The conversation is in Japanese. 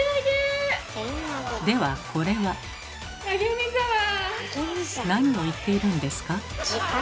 ではこれは。何を言っているんですか？